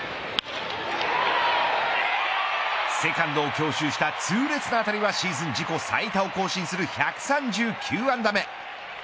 セカンドを強襲した痛烈な当たりは、シーズン自己最多を更新する１３９安打目。